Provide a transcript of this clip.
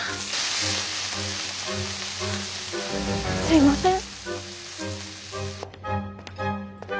すいません。